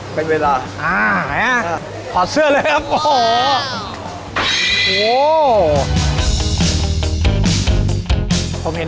การแชร์ประสบการณ์